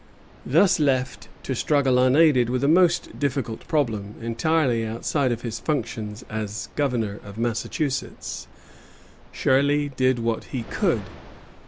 _] Thus left to struggle unaided with a most difficult problem, entirely outside of his functions as governor of Massachusetts, Shirley did what he could.